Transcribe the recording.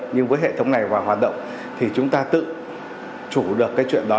nhưng với hệ thống này vào hoạt động thì chúng ta tự chủ được cái chuyện đó